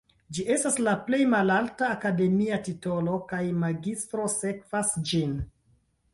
Ĝi estas la plej malalta akademia titolo kaj magistro sekvas ĝin.